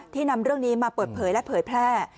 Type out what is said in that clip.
นำเรื่องนี้มาเปิดเผยและเผยแพร่